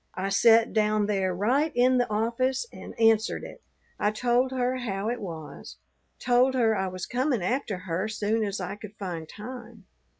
I set down there right in the office and answered it. I told her how it was, told her I was coming after her soon as I could find time.